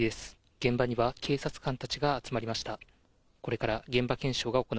現場には警察官たちが集まりました。